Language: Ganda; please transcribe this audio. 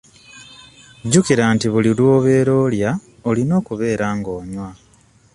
Jjukira nti buli lw'obeera olya olina okubeera nga onywa.